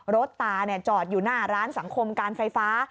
รถตาจอดอยู่หน้าร้านสังคมการไฟฟ้า